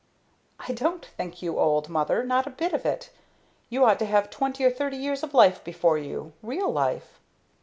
"I don't think you old, mother, not a bit of it. You ought to have twenty or thirty years of life before you, real life."